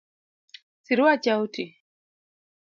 Siruacha oti